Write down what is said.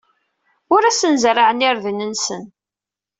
Ur asen-zerrɛeɣ irden-nsen.